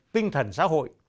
tinh thần xã hội